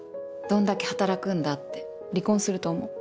どんだけ働くんだって離婚すると思う。